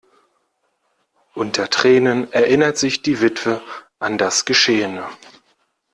Unter Tränen erinnert sich die Witwe an das Geschehene.